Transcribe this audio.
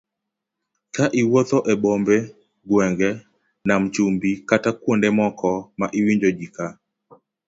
Ka iwuotho e bombe, gwenge, nam chumbi kata kuonde moko ma iwinjo ji ka